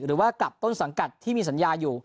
หรือว่ากลับต้นสังกัดที่มีสัญญาอยู่